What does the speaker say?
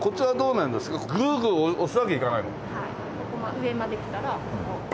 上まできたらこう。